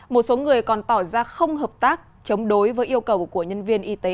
một số người còn tỏ ra không hợp tác chống đối với yêu cầu của nhân viên y tế